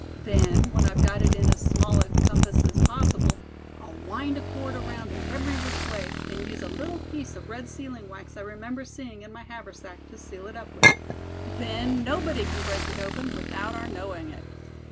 "Then, when I've got it in as small a compass as possible, I'll wind a cord around it every which way, and use a little piece of red sealing wax I remember seeing in my haversack, to seal it up with. Then nobody can break it open without our knowing it."